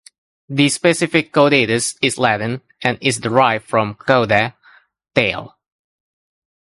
The specific "caudatus" is Latin and is derived from "cauda", "tail".